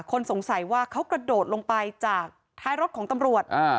คนสงสัยว่าเขากระโดดลงไปจากท้ายรถของตำรวจ